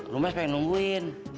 rumes pengen nungguin